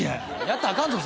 やったらあかんぞ。